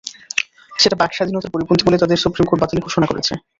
সেটা বাক স্বাধীনতার পরিপন্থী বলে তাদের সুপ্রিম কোর্ট বাতিল ঘোষণা করেছে।